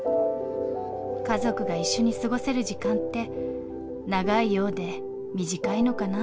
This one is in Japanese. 家族が一緒に過ごせる時間って長いようで短いのかな。